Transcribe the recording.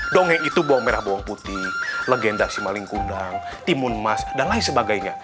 dongeng itu bawang merah bawang putih legenda simaling gundang timun emas dan lain sebagainya